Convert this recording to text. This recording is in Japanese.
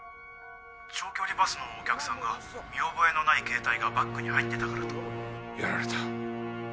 「長距離バスのお客さんが見覚えのない携帯がバッグに入っていたからと」やられた！